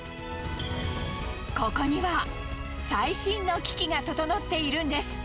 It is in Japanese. ここには最新の機器が整っているんです。